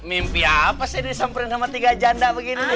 mimpi apa sih disamperin sama tiga janda begini nih